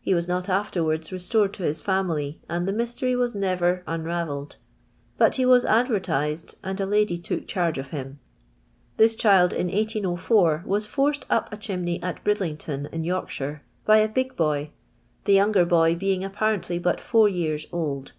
He was not afterwards restored to his family, and the mystery was never unravelled ; but he was advertised, and a lady took cluu gu of him. " ThiH child, in 1804, was forced up a chimney at Bridlington in Yorkshire, by a big boy, the younger buy being apparently but four years old.